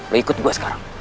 lu ikut gua sekarang